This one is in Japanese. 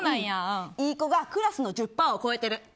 いい子がクラスの１０％を超えてる。